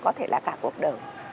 có thể là cả cuộc đời